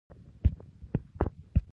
چای ښې وې، ستوماني باسي.